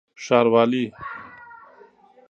ښاروالي